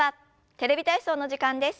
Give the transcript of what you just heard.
「テレビ体操」の時間です。